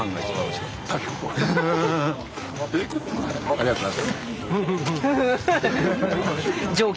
ありがとうございます。